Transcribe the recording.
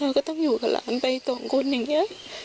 เราก็ต้องอยู่กับล้านไป๒คนอย่างนี้